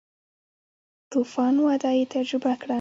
تو فان وده یې تجربه کړه.